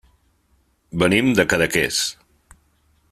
Venim de Cadaqués.